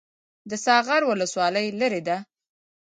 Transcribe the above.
د ساغر ولسوالۍ لیرې ده